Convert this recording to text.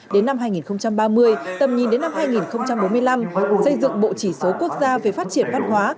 đến năm hai nghìn ba mươi tầm nhìn đến năm hai nghìn bốn mươi năm xây dựng bộ chỉ số quốc gia về phát triển văn hóa